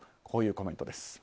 こういうコメントです。